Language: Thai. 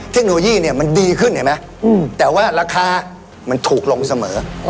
เทคโนโลยีเนี่ยมันดีขึ้นเห็นไหมแต่ว่าราคามันถูกลงเสมอ